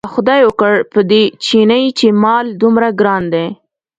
که خدای وکړ په دې چیني چې مال دومره ګران دی.